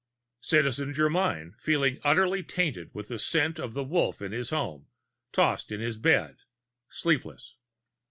Citizen Germyn, feeling utterly tainted with the scent of the Wolf in his home, tossed in his bed, sleepless.